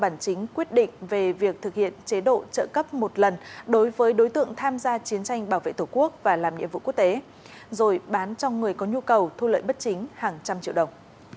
tăng vật thu giữ gồm hai mươi sáu tài liệu giả trích sao quyết định về việc thực hiện chế độ trợ cấp một lần đối với đối tượng tham gia chiến tranh bảo vệ tổ quốc và làm nhiệm vụ quốc tế rồi bán cho người có nhu cầu thu lợi bất chính hàng trăm triệu đồng